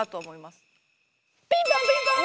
ピンポンピンポン！